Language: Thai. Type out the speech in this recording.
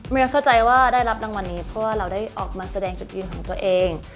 ยังเข้าใจว่าได้รับรางวัลนี้เพราะว่าเราได้ออกมาแสดงจุดยืนของตัวเอง